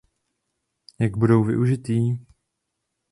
Jak budou využity?